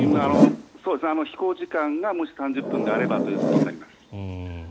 飛行時間がもし３０分であればということになります。